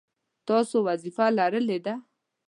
تاسو وظیفه لیکلې ده؟